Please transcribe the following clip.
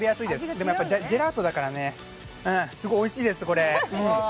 でも、やっぱりジェラートだからね、すごいおいしいです。